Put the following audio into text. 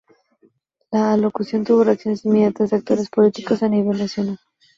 La alocución tuvo reacciones inmediatas de actores políticos a nivel nacional.